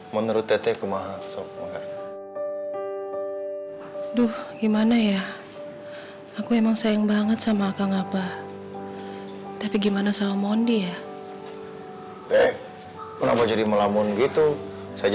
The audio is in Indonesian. menurut tete cuma sop cuma kaya gitu ya tete